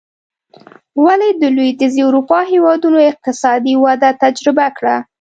ولې د لوېدیځې اروپا هېوادونو اقتصادي وده تجربه کړه.